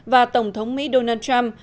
và tổng thống mỹ donald trump